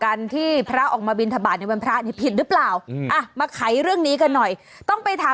การที่พระออกมาบินทะบาทบรรพาห์ผิดหรือเปล่า